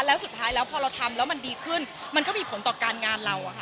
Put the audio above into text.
แล้วสุดท้ายแล้วพอเราทำแล้วมันดีขึ้นมันก็มีผลต่อการงานเราอะค่ะ